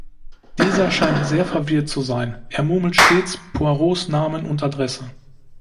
Dieser scheint sehr verwirrt zu sein: Er murmelt stets Poirots Namen und Adresse.